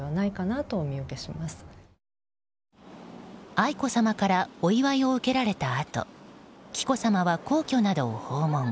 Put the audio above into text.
愛子さまからお祝いを受けられたあと紀子さまは皇居などを訪問。